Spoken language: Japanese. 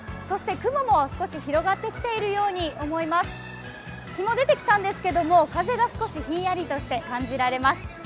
雲も少し広がっているように思います日も出てきたんですけど風が少しひんやりとして感じられます。